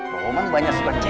roman banyak suka cewek